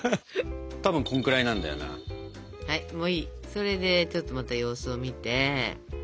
それでちょっとまた様子を見て。